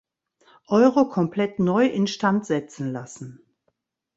Euro komplett neu instand setzen lassen.